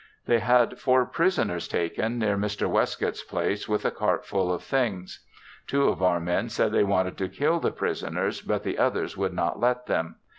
They had four prisoners taken near Mr. Westcoat's place with a cart full of things. Two of our men said they wanted to kill the prisoners but the others would not let them.